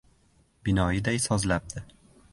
Binoyiday sozlabdi.